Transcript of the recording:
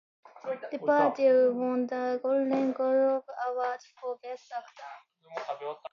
Depardieu won the Golden Globe Award for Best Actor.